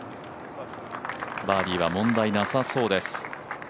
バーディーは問題なさそうです。